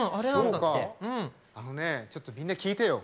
あのね、ちょっとみんな聞いてよ！